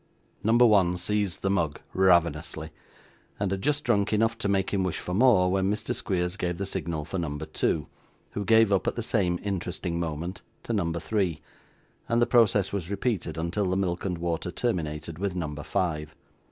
Number one seized the mug ravenously, and had just drunk enough to make him wish for more, when Mr. Squeers gave the signal for number two, who gave up at the same interesting moment to number three; and the process was repeated until the milk and water terminated with number five.